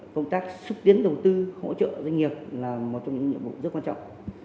công tác xúc tiến đầu tư hỗ trợ doanh nghiệp là một trong những nhiệm vụ rất quan trọng